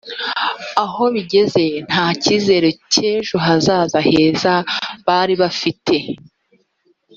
aho bigeze nta cyizere cy’ejo hazaza heza bari bafite